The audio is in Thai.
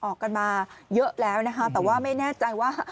ออกกันมาเยอะแล้วนะคะแต่ว่าไม่แน่ใจว่า